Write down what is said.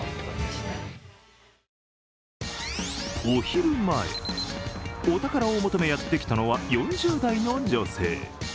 お昼前、お宝を求めやってきたのは４０代の女性。